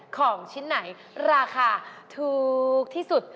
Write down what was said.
ของชิ้นไหนราคาถูกที่สุด